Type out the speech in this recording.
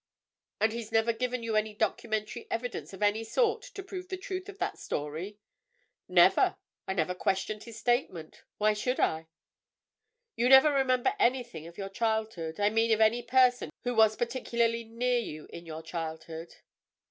"And he's never given you any documentary evidence of any sort to prove the truth of that story?" "Never! I never questioned his statement. Why should I?" "You never remember anything of your childhood—I mean of any person who was particularly near you in your childhood?"